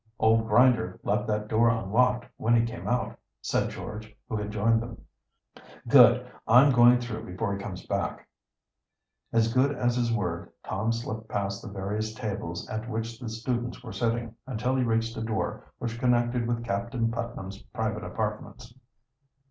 "Old Grinder left that door unlocked when he came out," said George, who had joined them. "Good! I'm going through before he comes back." As good as his word, Tom slipped past the various tables at which the students were sitting, until he reached the door which connected with Captain Putnam's private apartments.